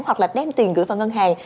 hoặc là đem tiền gửi vào ngân hàng